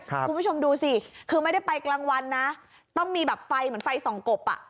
คุณผู้ชมดูสิคือไม่ได้ไปกลางวันนะต้องมีแบบไฟเหมือนไฟส่องกบอ่ะ